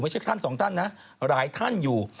ไม่ใช่ท่าน๒ท่านนะหลายท่านอยู่